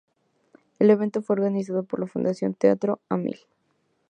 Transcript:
El evento fue organizado por la Fundación Teatro a Mil.